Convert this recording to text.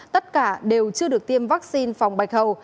tất cả đều chưa được tiêm vaccine phòng bạch hầu